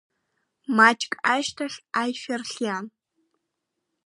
Маҷк ашьҭахь аишәа рхиан.